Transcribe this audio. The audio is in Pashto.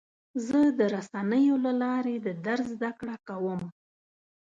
زه د رسنیو له لارې د درس زده کړه کوم.